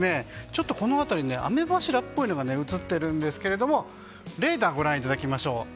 ちょっとこの辺り雨柱っぽいものが映っているんですけどもレーダーをご覧いただきましょう。